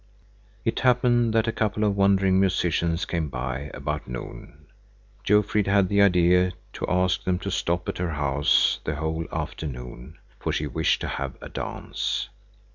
It happened that a couple of wandering musicians came by about noon. Jofrid had the idea to ask them to stop at her house the whole afternoon, for she wished to have a dance.